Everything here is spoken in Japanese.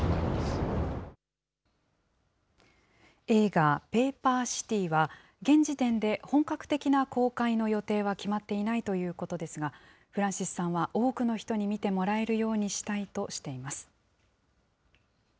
映画、ＰａｐｅｒＣｉｔｙは、現時点で本格的な公開の予定は決まっていないということですが、フランシスさんは多くの人に見てもらえるようにしたいとしています。